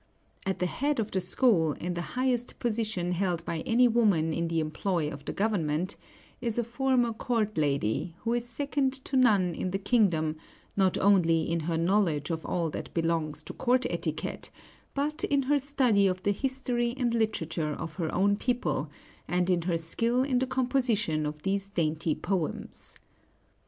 At the head of the school, in the highest position held by any woman in the employ of the government, is a former court lady, who is second to none in the kingdom, not only in her knowledge of all that belongs to court etiquette, but in her study of the history and literature of her own people, and in her skill in the composition of these dainty poems.